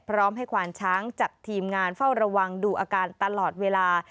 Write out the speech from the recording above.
พร้อมให้ควานช้างจัดทีมงานเฝ้าระวังดูอาการตลอดเวลา